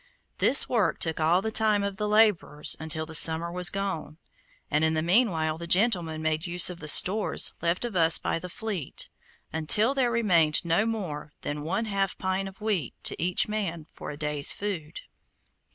This work took all the time of the laborers until the summer was gone, and in the meanwhile the gentlemen made use of the stores left us by the fleet, until there remained no more than one half pint of wheat to each man for a day's food.